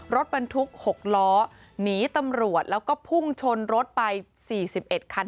รถบรรทุก๖ล้อหนีตำรวจแล้วก็พุ่งชนรถไป๔๑คัน